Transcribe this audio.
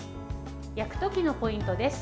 焼く時のポイントです。